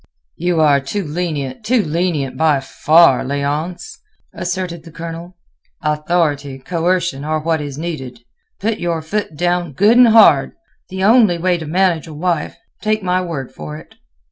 "You are too lenient, too lenient by far, Léonce," asserted the Colonel. "Authority, coercion are what is needed. Put your foot down good and hard; the only way to manage a wife. Take my word for it."